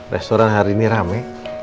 restoran hari ini rame